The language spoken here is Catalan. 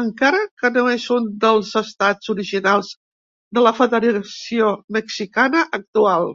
Encara que no és un dels estats originals de la federació mexicana actual.